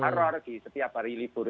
teror di setiap hari libur